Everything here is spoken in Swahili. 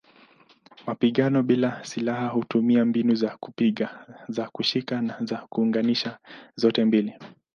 Mapigano bila silaha hutumia mbinu za kupiga, za kushika na za kuunganisha zote mbili.